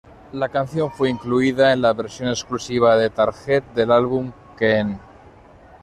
La canción fue incluida en la versión exclusiva de Target del álbum Queen.